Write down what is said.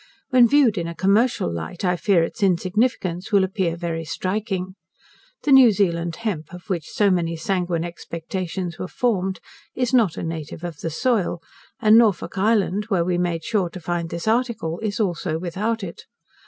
When viewed in a commercial light, I fear its insignificance will appear very striking. The New Zealand hemp, of which so many sanguine expectations were formed, is not a native of the soil; and Norfolk Island, where we made sure to find this article, is also without it.